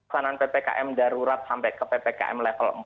pppkm darurat sampai ke ppkm level empat